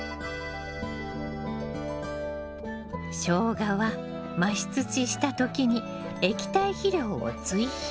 ショウガは増し土した時に液体肥料を追肥。